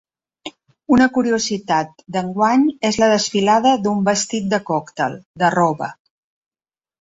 Una curiositat d’enguany és la desfilada d’un vestit de còctel, de roba.